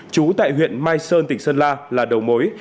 trú tại huyện mai sơn tỉnh sơn la là đầu mối